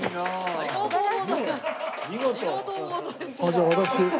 ありがとうございます。